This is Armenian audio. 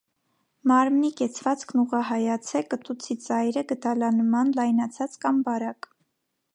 Մարմնի կեցվածքն ուղղահայաց է, կտուցի ծայրը՝ գդալանման լայնացած կամ բարակ։